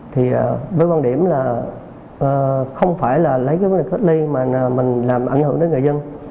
thì với quan điểm là không phải là lấy cái vấn đề cách ly mà mình làm ảnh hưởng đến người dân